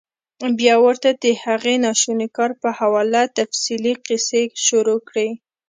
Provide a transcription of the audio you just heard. او بيا ورته د هغې ناشوني کار پۀ حواله تفصيلي قيصې شورو کړي -